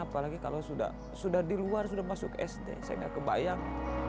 apalagi kalau sudah di luar sudah masuk sd saya nggak kebayang